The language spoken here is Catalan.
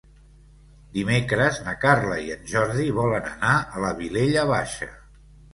Dimecres na Carla i en Jordi volen anar a la Vilella Baixa.